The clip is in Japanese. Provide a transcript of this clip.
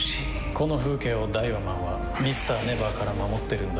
この風景をダイワマンはＭｒ．ＮＥＶＥＲから守ってるんだ。